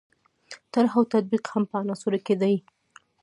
طرح او تطبیق هم په عناصرو کې دي.